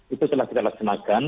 itu telah kita laksanakan